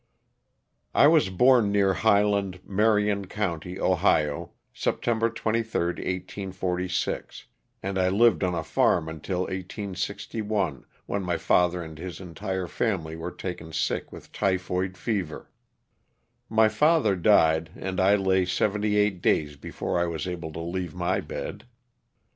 I WAS born near Highlana, Marion county, Ohio, ^ September 23, 1846, and I lived on a farm until 1861 when my father and his entire family were taken sick with typhoid fever. My father died and I lay seventy eight days before I was able to leave my bed.